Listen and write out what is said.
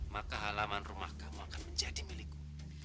maka halaman rumah kamu akan menjadi milikku